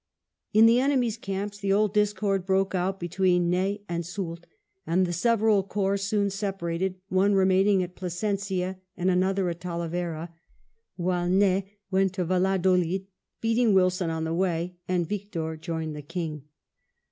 In the enemy's camps the old discord broke out between Ney and Soult, and the several corps soon separated, one remaining at Plasencia and another at Talavera, while Ney went to Valladolid, beating Wilson on the way, and Victor joined the King.